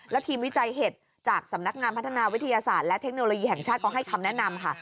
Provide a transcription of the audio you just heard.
แล้วทีมวิจัยเห็ดจากสำนักงานพัฒนาวิทยาศาสตร์และเทคโนโลยีแห่งชาติก็ให้คำแนะนำค่ะ